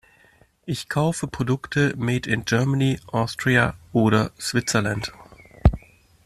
Ich kaufe Produkte made in Germany, Austria oder Switzerland.